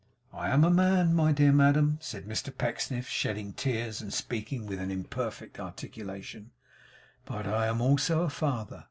'I am a man, my dear madam,' said Mr Pecksniff, shedding tears and speaking with an imperfect articulation, 'but I am also a father.